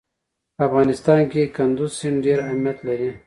په افغانستان کې کندز سیند ډېر اهمیت لري.